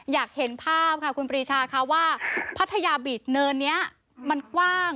อยากเห็นภาพค่ะคุณปรีชาค่ะว่าพัทยาบีชเนินนี้มันกว้าง